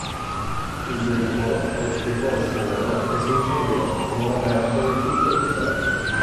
Il velivolo precipitò al suolo e si incendiò con la perdita di tutto l'equipaggio.